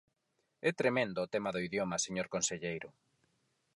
É tremendo o tema do idioma, señor conselleiro.